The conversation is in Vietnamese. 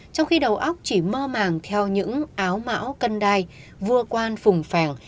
trong khi đầu óc chỉ mơ màng theo những áo mão cân đai vua quan phùng phèn